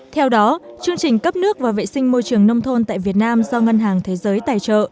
theo đó chương trình cấp nước và vệ sinh môi trường nông thôn tại việt nam do ngân hàng thế giới tài trợ